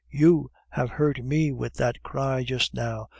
"YOU have hurt me with that cry just now.